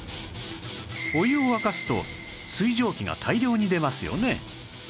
お湯を沸かすと水蒸気が大量に出ますよね